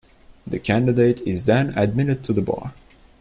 The candidate is then "admitted to the bar".